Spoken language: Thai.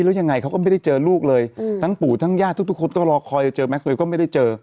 แล้วยังไงเขาก็ไม่ได้เจอลูกเลยทั้งปู่ทั้งญาติทุกคนก็รอคอยเจอแม็กเวลก็ไม่ได้เจอ